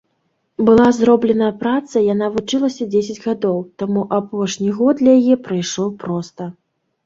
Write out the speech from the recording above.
Была зробленая праца, яна вучылася дзесяць гадоў, таму апошні год для яе прайшоў проста.